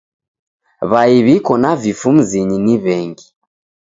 W'ai w'iko na vifu mzinyi ni w'engi.